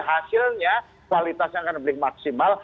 hasilnya kualitas yang akan dibelik maksimal